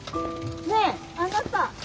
ねえあなた！